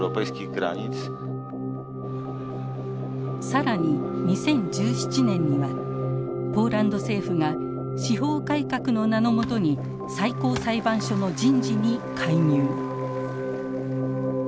更に２０１７年にはポーランド政府が司法改革の名の下に最高裁判所の人事に介入。